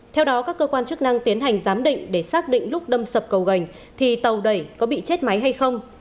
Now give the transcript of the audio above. theo đó các cơ quan chức năng tiến hành giám định để xác định lúc đâm sập cầu gành thì tàu đẩy có bị chết máy hay không